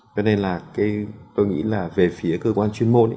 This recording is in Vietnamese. cho nên là tôi nghĩ là về phía cơ quan chuyên môn